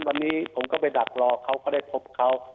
วันนี้ผมก็ไปดักรอเขาก็ได้พบเขา